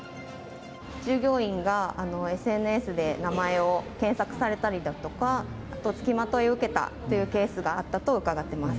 従業員がＳＮＳで名前を検索されたりだとか、あと、つきまといを受けたということがあったと伺っています。